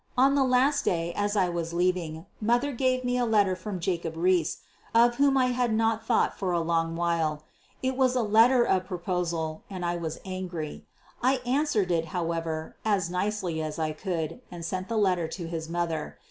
On the last day, as I was leaving, mother gave me a letter from Jacob Riis, of whom I had not thought for a long while. It was a letter of proposal, and I was angry. I answered it, however, as nicely as I could, and sent the letter to his mother.